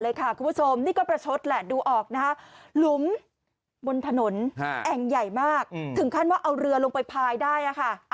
คุณผู้ชมนี่ก็ประชดแหละดูออกนะคะหลุมบนถนนแอ่งใหญ่มากถึงขั้นว่าเอาเรือลงไปพายได้ค่ะ